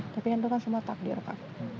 tapi itu kan semua takdir pak